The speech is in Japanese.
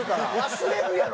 忘れるやろ！